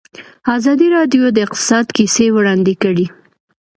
ازادي راډیو د اقتصاد کیسې وړاندې کړي.